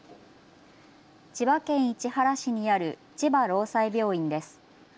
千葉県市原市にある千葉労災病院です。